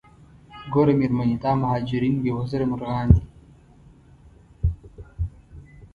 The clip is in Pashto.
ګوره میرمنې دا مهاجرین بې وزره مرغان دي.